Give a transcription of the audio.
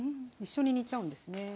一緒に煮ちゃうんですね。